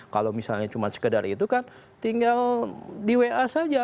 kalau misalnya cuma sekedar itu kan tinggal di wa saja